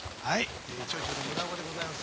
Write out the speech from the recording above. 町長の村岡でございます。